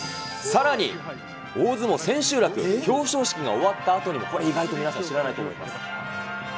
さらに、大相撲千秋楽、表彰式が終わったあとにも、これ、意外と皆さん知らないと思